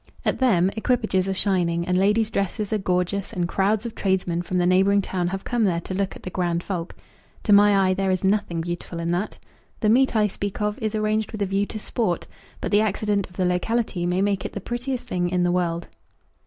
At them, equipages are shining, and ladies' dresses are gorgeous, and crowds of tradesmen from the neighbouring town have come there to look at the grand folk. To my eye there is nothing beautiful in that. The meet I speak of is arranged with a view to sport, but the accident of the locality may make it the prettiest thing in the world.